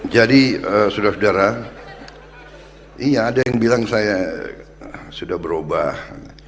jadi sudah sedara iya ada yang bilang saya sudah berubah